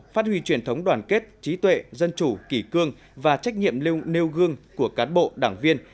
phát huy truyền thống đoàn kết trí tuệ dân chủ kỷ cương và trách nhiệm nêu gương của cán bộ đảng viên